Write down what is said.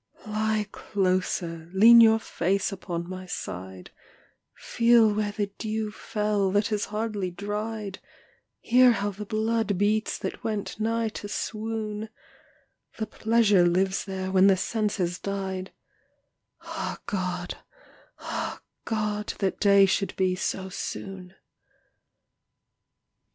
Lie closer, lean your face upon my side, Feel where the dew fell that has hardly dried, Hear how the blood beats that went nigh to swoon; The pleasure lives there when the sense has died; Ah God, ah God, that day should be so soon.